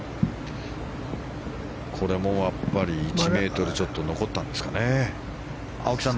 これもやっぱり１ｍちょっと残ったんですかね。